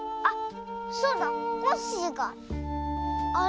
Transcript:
あっそうだ。